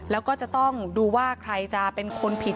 แล้วก็จะต้องดูว่าใครจะเป็นคนผิด